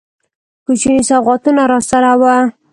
کوچني سوغاتونه راسره وه.